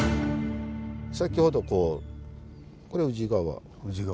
先ほどこうこれ宇治川。